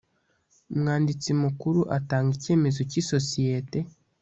umwanditsi mukuru atanga icyemezo cy isosiyete